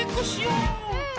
うん！